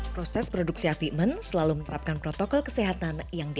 mau tak mau apikmen harus adaptif dengan kondisi yang ada